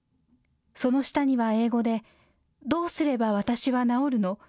その下には英語でどうすれば私は治るの？